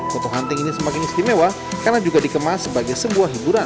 foto hunting ini semakin istimewa karena juga dikemas sebagai sebuah hiburan